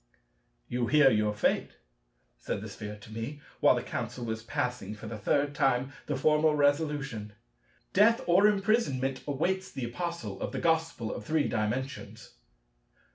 "You hear your fate," said the Sphere to me, while the Council was passing for the third time the formal resolution. "Death or imprisonment awaits the Apostle of the Gospel of Three Dimensions."